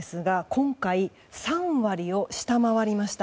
今回、３割を下回りました。